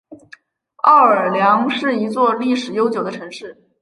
奥尔良是一座历史悠久的城市。